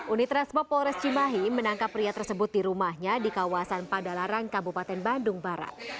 unit resmo polres cimahi menangkap pria tersebut di rumahnya di kawasan padalarang kabupaten bandung barat